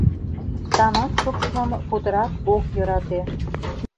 Тамак шупшмым путырак ок йӧрате...